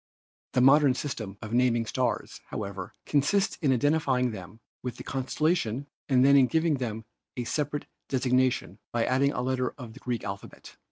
The modern system of naming stars, however, consists in identifying them with the constellation and then in giving them a separate desig nation by adding a letter of the Greek alphabet.